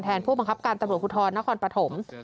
ผู้บังคับการตำรวจภูทรนครปฐม